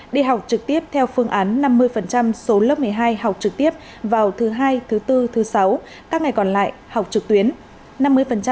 đi học trực tiếp theo phương án năm mươi số lớp một mươi hai học trực tiếp vào thứ hai thứ bốn thứ sáu các ngày còn lại học trực tuyến